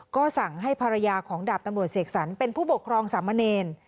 ก็สั่งให้ภรรยาของดาบตำรวจเสกสรรเป็นผู้ปกครองสามเณร